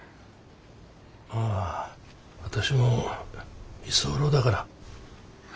まあ私も居候だから。